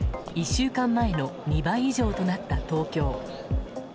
１週間前の２倍以上となった東京。